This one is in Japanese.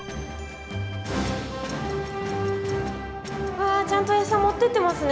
わあちゃんとエサ持ってってますね。